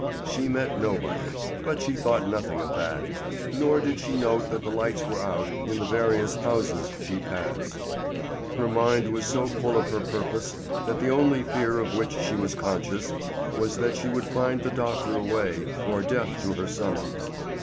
She met nobody, but she thought nothing of that, nor did she note that the lights were out in the various houses she passed. Her mind was so full of her purpose that the only fear of which she was conscious was that she would find the doctor away or deaf to her summons.